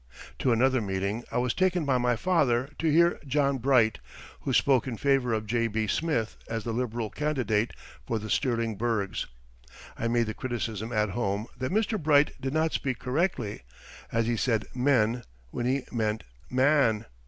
To another meeting I was taken by my father to hear John Bright, who spoke in favor of J.B. Smith as the Liberal candidate for the Stirling Burghs. I made the criticism at home that Mr. Bright did not speak correctly, as he said "men" when he meant "maan."